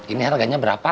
ini harganya berapa